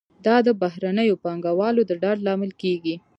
دا د بهرنیو پانګوالو د ډاډ لامل کیږي.